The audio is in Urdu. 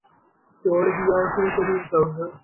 چھوڑو یار ، پھر کبھی بتاؤں گا۔